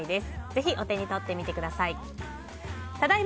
ぜひお手に取ってみてください。